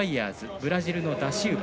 ブラジルのダシウバ